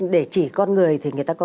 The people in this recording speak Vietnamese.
để chỉ con người thì người ta có